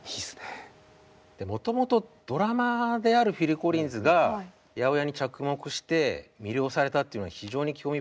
もともとドラマーであるフィル・コリンズが８０８に着目して魅了されたっていうのは非常に興味深いなと思うんですね。